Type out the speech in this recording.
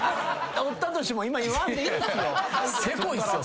おったとしても今言わんでいいっすよ。